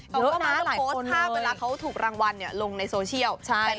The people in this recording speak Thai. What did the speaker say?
เยอะมากกว่าคนเลยเขาก็มาโพสต์ภาพเวลาเขาถูกรางวัลเนี่ยลงในโซเชียล